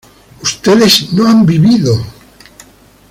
ustedes no han vivido